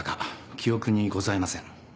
記憶にございません。